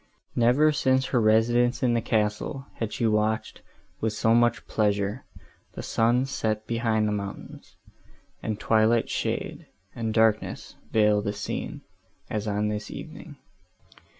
Never, since her residence in the castle, had she watched, with so much pleasure, the sun set behind the mountains, and twilight shade, and darkness veil the scene, as on this evening.